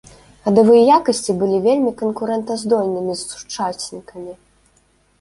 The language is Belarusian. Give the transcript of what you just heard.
Хадавыя якасці былі вельмі канкурэнтаздольнымі з сучаснікамі.